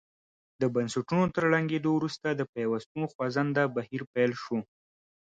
د بنسټونو تر ړنګېدو وروسته د پیوستون خوځنده بهیر پیل شو.